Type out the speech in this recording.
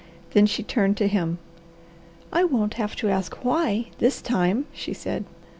Then she turned to him. "I won't have to ask 'why' this time," she said.